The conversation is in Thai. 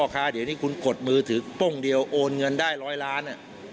คุณกดมือถือปุ้งเดียวโอนเงินได้ร้อยล้าน